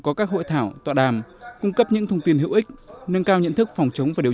có các hội thảo tọa đàm cung cấp những thông tin hữu ích nâng cao nhận thức phòng chống và điều